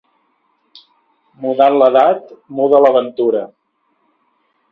Mudant l'edat, muda la ventura.